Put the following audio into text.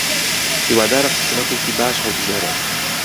هیوادارم حکوومەتێکی باش هەڵبژێرن.